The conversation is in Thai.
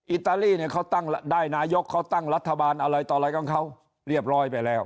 อิตาลีเนี่ยเขาตั้งได้นายกเขาตั้งรัฐบาลอะไรต่ออะไรของเขาเรียบร้อยไปแล้ว